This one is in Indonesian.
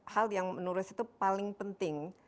hal yang menurut saya itu paling penting